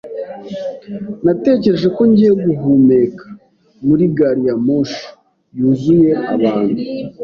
Natekereje ko ngiye guhumeka muri gari ya moshi yuzuye abantu.